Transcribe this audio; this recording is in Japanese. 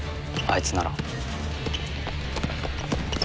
いつなら。